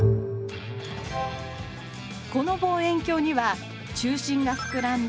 この望遠鏡には中心が膨らんだ凸